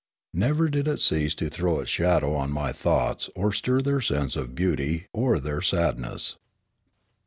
Never did it cease to throw its shadow on my thoughts or stir their sense of beauty or their sadness.